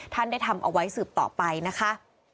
ท่านได้ทำเอาไว้สืบต่อไปนะคะ